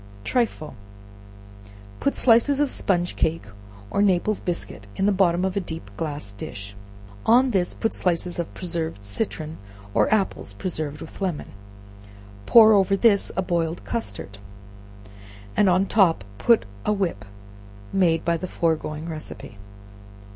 Trifle. Put slices of sponge cake or Naples biscuit in the bottom of a deep glass dish; on this put slices of preserved citron, or apples preserved with lemon; pour over this a boiled custard, and on the top put a whip made by the foregoing receipt.